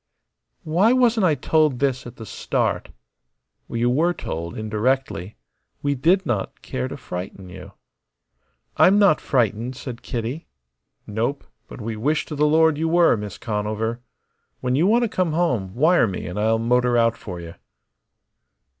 "Why wasn't I told this at the start?" "You were told, indirectly. We did not care to frighten you." "I'm not frightened," said Kitty. "Nope. But we wish to the Lord you were, Miss Conover. When you want to come home, wire me and I'll motor out for you."